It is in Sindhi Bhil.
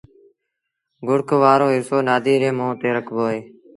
گُوڙک وآرو هسو نآديٚ ري مݩهݩ تي رکبو اهي۔